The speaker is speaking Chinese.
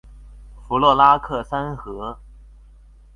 弗洛拉克三河。